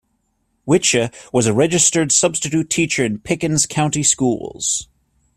Wyche was a registered substitute teacher in Pickens County schools.